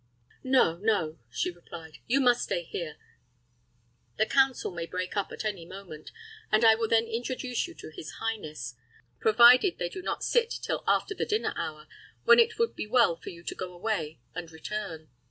"No, no," she replied; "you must stay here. The council may break up at any moment, and I will then introduce you to his highness provided they do not sit till after the dinner hour, when it would be well for you to go away and return.